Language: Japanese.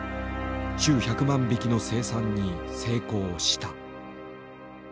週１００万匹の生産に成功した。